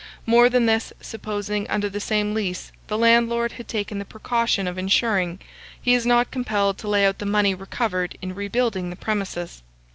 More than this, supposing, under the same lease, the landlord had taken the precaution of insuring, he is not compelled to lay out the money recovered in rebuilding the premises.